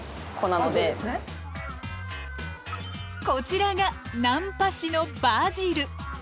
こちらがナンパ師のバジル。